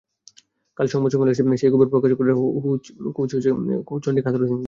কাল সংবাদ সম্মেলনে এসে সেই ক্ষোভের প্রকাশও ঘটালেন কোচ চন্ডিকা হাথুরুসিংহে।